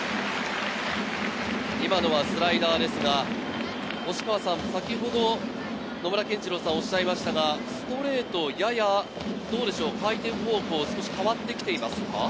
今のはスライダーですが、星川さん、先ほど野村謙二郎さんがおっしゃいましたが、ストレート、やや回転方向、少し変わってきていますか？